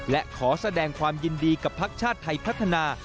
และขอแสดงความยินดีกับภักดิ์ชาติไทยพัฒนา